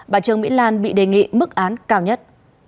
bà trương mỹ lan bị đề nghị mức án cao nhất